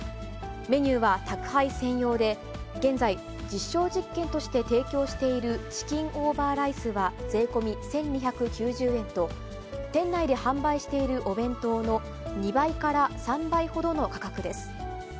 メニューは宅配専用で、現在、実証実験として提供しているチキンオーバーライスは税込み１２９０円と、店内で販売しているお弁当の２倍から３倍ほどの価格です。